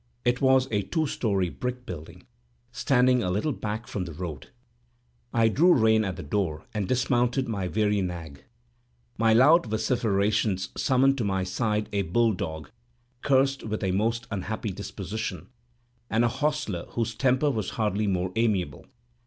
It was a two story brick building, standing a little back from the road. I drew rein at the door, and dismounted my weary nag. My loud vociferations summoned to my side a bull dog, cursed with a most unhappy disposition, and a hostler whose temper was hardly more amiable.